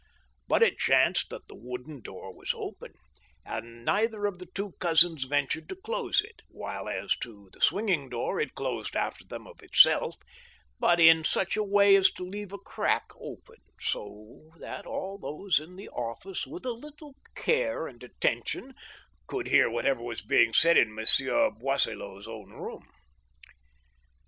But it chanced that the wooden door was open, and neither of the two cousins ventured to dose it, while as to the swinging door it closed after them of itself, but in such a way as to leave a crack open, so that all those in the office with a little care and attention could hear whatever was being said in Monsieur Boisselot's own room.